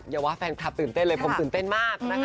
เพื่อนคนเต้นต้นเลยผมตื่นเต้นมาก